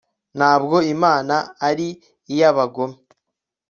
ntabwo imana ari iy'abagome